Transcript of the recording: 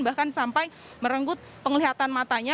bahkan sampai merenggut penglihatan matanya